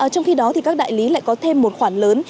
trong khi đó các đại lý lại có thêm một khoản lớn